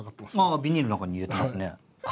ああビニールの中に入れてますね。